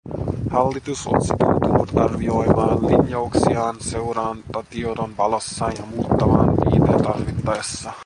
Hallitus on sitoutunut arvioimaan linjauksiaan seurantatiedon valossa ja muuttamaan niitä tarvittaessa.